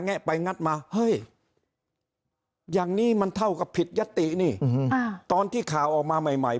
ะไปงัดมาเฮ้ยอย่างนี้มันเท่ากับผิดยตินี่ตอนที่ข่าวออกมาใหม่ใหม่